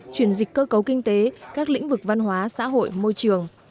chuyển dịch cơ cấu kinh tế các lĩnh vực văn hóa xã hội môi trường